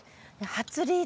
初リー。